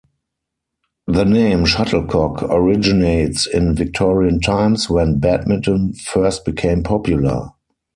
The name 'shuttlecock' originates in Victorian times, when Badminton first became popular.